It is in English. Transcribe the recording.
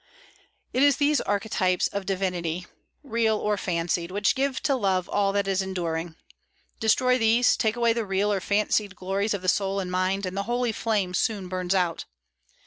It is these archetypes of divinity, real or fancied, which give to love all that is enduring. Destroy these, take away the real or fancied glories of the soul and mind, and the holy flame soon burns out.